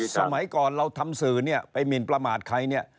สมัยก่อนเราทำสื่อเนี่ยไปหมินประมาทใครเนี่ย